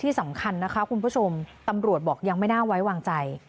ที่สำคัญนะคะคุณผู้ชมตำรวจบอกยังไม่น่าไว้วางใจ